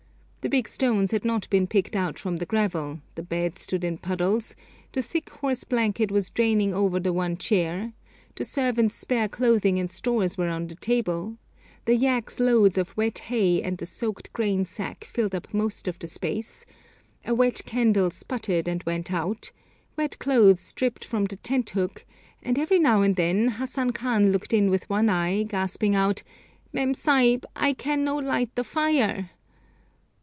The big stones had not been picked out from the gravel, the bed stood in puddles, the thick horse blanket was draining over the one chair, the servant's spare clothing and stores were on the table, the yaks' loads of wet hay and the soaked grain sack filled up most of the space; a wet candle sputtered and went out, wet clothes dripped from the tent hook, and every now and then Hassan Khan looked in with one eye, gasping out, 'Mem Sahib, I can no light the fire!'